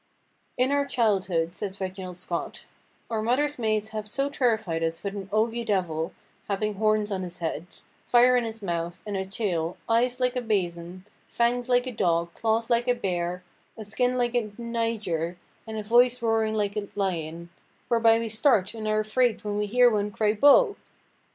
"In our childhood," says Reginald Scot, "our mothers' maids have so terrified us with an oughe divell having hornes on his head, fier in his mouth, and a taile, eies like a bason, fanges like a dog, clawes like a beare, a skin like a niger, and a voice roaring like a lion, whereby we start and are afraid when we heare one crie Bough!